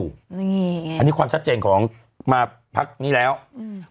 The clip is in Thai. เงี้ยเงี้ยนี่ความชัดเจนของมาภัคนี้แล้วอืม